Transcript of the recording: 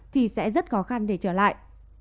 thì sẽ rất khó khăn để trở lại